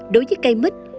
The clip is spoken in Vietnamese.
đối với cây mít